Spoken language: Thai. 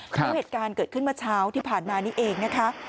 แล้วเหตุการณ์เกิดขึ้นเมื่อเช้าที่ผ่านมานี้เองนะคะ